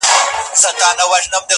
پر دې دُنیا سوځم پر هغه دُنیا هم سوځمه,